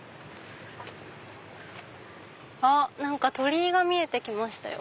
あっ何か鳥居が見えてきましたよ。